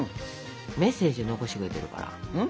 メッセージ残してくれてるから。